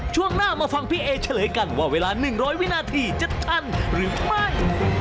ช่วงหน้ามาฟังพี่เอเฉลยกันว่าเวลา๑๐๐วินาทีจะทันหรือไม่